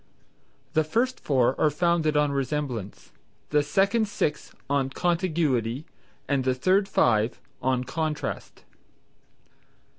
The first four are founded on resemblance, the second six on contiguity and the third five, on contrast.